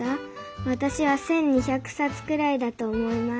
わたしは１，２００さつぐらいだとおもいます。